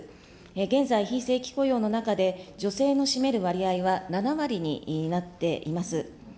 現在、非正規雇用の中で、女性の占める割合は７割になっています。